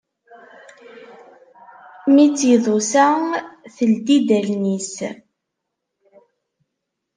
Mi tt-iḍusa, teldi-d allen-is.